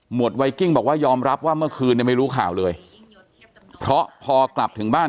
ไวกิ้งบอกว่ายอมรับว่าเมื่อคืนเนี่ยไม่รู้ข่าวเลยเพราะพอกลับถึงบ้าน